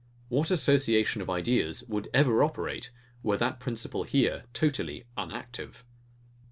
What association of ideas would ever operate, were that principle here totally unactive.